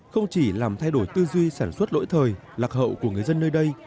không chỉ làm thay đổi tư duy sản xuất lỗi thời lạc hậu của người dân nơi đây